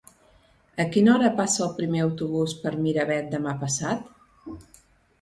A quina hora passa el primer autobús per Miravet demà passat?